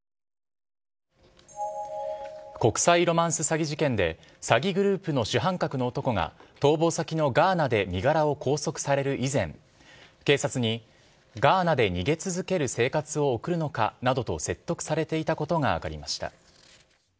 国際ロマンス詐欺事件で、詐欺グループの主犯格の男が、逃亡先のガーナで身柄を拘束される以前、警察に、ガーナで逃げ続ける生活を送るのかなどと説得されていたことが分かりました。